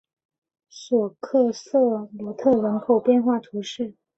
索克塞罗特人口变化图示